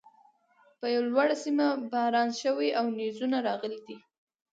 پر لوړۀ سيمه باران شوی او نيزونه راغلي دي